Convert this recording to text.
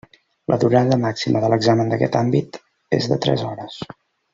La durada màxima de l'examen d'aquest àmbit és de tres hores.